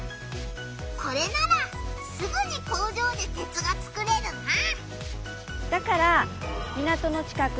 これならすぐに工場で鉄が作れるな！